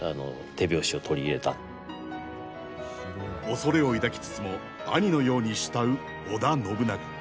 恐れを抱きつつも兄のように慕う織田信長。